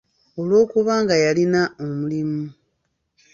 Olw'okuba nga yalina omulimu.